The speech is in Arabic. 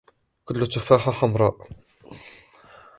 كل تفاحة حمراء.